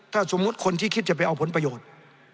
ถ้าสมมุติคนที่คิดจะไปเอาผลประโยชน์